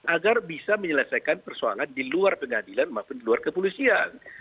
agar bisa menyelesaikan persoalan di luar pengadilan maupun di luar kepolisian